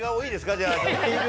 じゃあ。